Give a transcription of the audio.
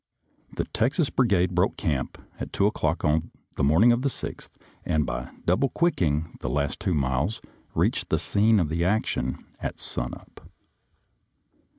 The Texas Brigade broke camp at two o'clock on the morning of the 6th, and, by double quick ing the last two miles, reached the scene of action at sun up.